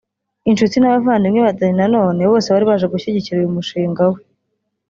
inshuti n’abavandimwe ba Dany Nanone bose bari baje gushyigikira uyu mushinga we